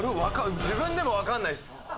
自分でもわかんないです！